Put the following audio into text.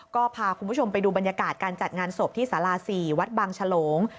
ก็พาคุณผู้ชมไปดูบรรยากาศการจัดงานศพที่สารา๔วัดบางฉลง